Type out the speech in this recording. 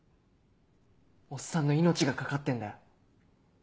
おっさんの命が懸かってんだよ。